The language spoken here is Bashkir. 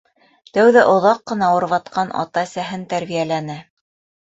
Тәүҙә оҙаҡ ҡына ауырып ятҡан ата-әсәһен тәрбиәләне.